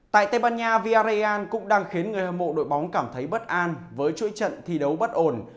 tại tây ban nha viarrayan cũng đang khiến người hâm mộ đội bóng cảm thấy bất an với chuỗi trận thi đấu bất ổn